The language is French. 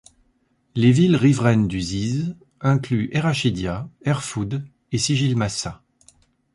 Les villes riveraines du Ziz incluent Errachidia, Erfoud et Sijilmassa.